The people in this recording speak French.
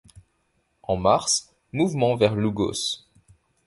En mars, mouvement vers Lugos.